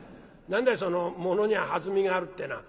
何だいその『ものには弾みがある』ってのは？」。